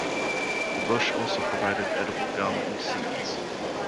The bush also provided edible gum and seeds.